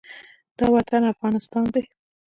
دا وطن افغانستان دى.